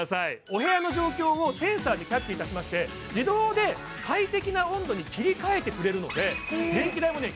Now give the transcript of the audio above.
お部屋の状況をセンサーでキャッチいたしまして自動で快適な温度に切り替えてくれるので電気代もね